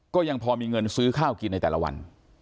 ก็ยังพอมีเงินซื้อข้าวกินในแต่ละวัน